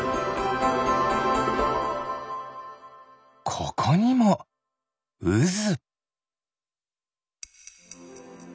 ここにもうず。